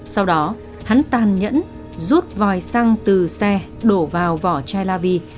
sau đó hắn tàn nhẫn rút vòi xăng từ xe đổ vào vỏ chai laver